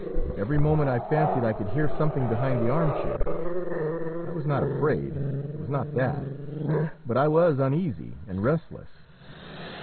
Every moment I fancied I could hear something behind the arm chair. I was not afraid it was not that but I was uneasy and restless.